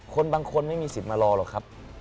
คนบางคนไม่มีสิทธิ์มารอหรอกครับ